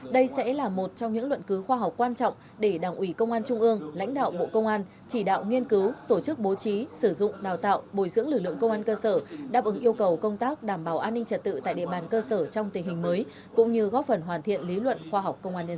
đây sẽ là một trong những luận cứu khoa học quan trọng để đảng ủy công an trung ương lãnh đạo bộ công an chỉ đạo nghiên cứu tổ chức bố trí sử dụng đào tạo bồi dưỡng lực lượng công an cơ sở đáp ứng yêu cầu công tác đảm bảo an ninh trật tự tại địa bàn cơ sở trong tình hình mới cũng như góp phần hoàn thiện lý luận khoa học công an nhân dân